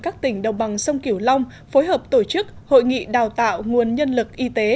các tỉnh đồng bằng sông kiểu long phối hợp tổ chức hội nghị đào tạo nguồn nhân lực y tế